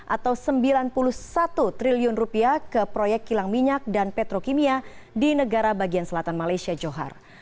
atau rp sembilan puluh satu triliun rupiah ke proyek kilang minyak dan petrokimia di negara bagian selatan malaysia johar